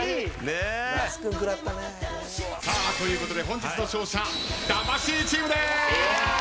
那須君食らったね。ということで本日の勝者魂チームです！